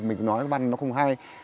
mình nói nó không hay